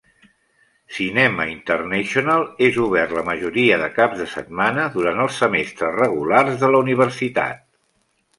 Cinema International és obert la majoria de caps de setmana durant els semestres regulars de la universitat.